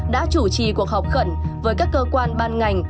đã chủ trì cuộc họp khẩn với các cơ quan ban ngành